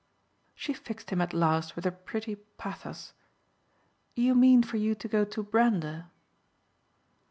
She fixed him at last with her pretty pathos. "You mean for you to go to Brander?"